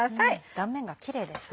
断面がキレイですね。